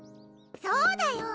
そうだよ！